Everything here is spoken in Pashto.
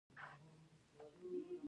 دا واک د دولت مامور ته ورکړل شوی دی.